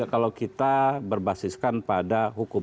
kalau kita berbasiskan pada hukum